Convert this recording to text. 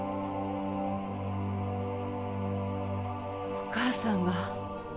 お義母さんが。